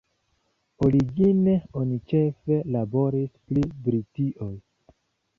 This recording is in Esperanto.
Origine oni ĉefe laboris pri Britio.